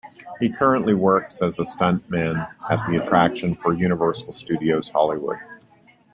He currently works as a stuntman at the attraction for Universal Studios Hollywood.